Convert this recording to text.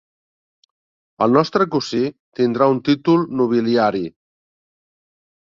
El nostre cosí tindrà un títol nobiliari.